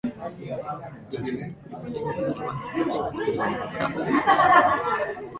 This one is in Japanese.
地上の車に乗るよりは、地下の車に乗ったほうが、